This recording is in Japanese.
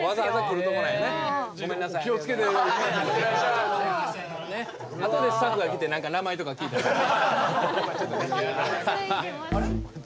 あとでスタッフが来て名前とか聞くから。